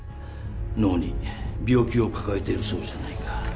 脳に病気を抱えているそうじゃないか。